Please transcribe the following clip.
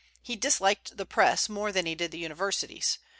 He disliked the Press more than he did the universities.